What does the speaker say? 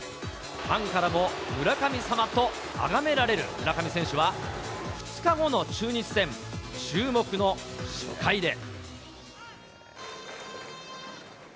ファンからも村神様とあがめられる村上選手は、２日後の中日戦、注目の初回で。